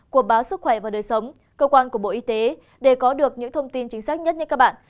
của báo sức khỏe và đời sống cơ quan của bộ y tế để có được những thông tin chính xác nhất các bạn